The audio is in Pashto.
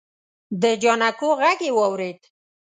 د جانکو غږ يې واورېد.